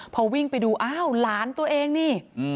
เพราะวิ่งไปดูล้านตัวเองนี่